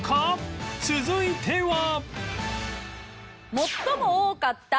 続いては